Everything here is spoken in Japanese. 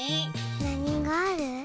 なにがある？